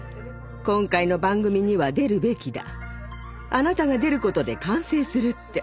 「今回の番組には出るべきだあなたが出ることで完成する」って。